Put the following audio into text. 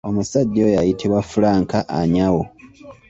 Omusajja oyo ayitibwa Frank Anyau.